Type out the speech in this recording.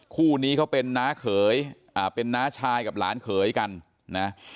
คู่นี้เขาเป็นน้าเขยอ่าเป็นน้าชายกับหลานเขยกันนะ